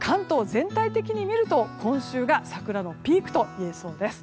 全体的に見ると、今週が桜のピークといえそうです。